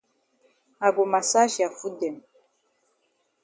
I go massage ya foot dem.